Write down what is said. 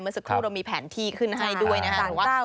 รวมสิปรุงเรามีแผ่นทีขึ้นให้ด้วยนะคะ